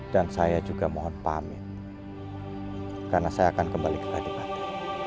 dan saya juga mohon pamit karena saya akan kembali ke rady patih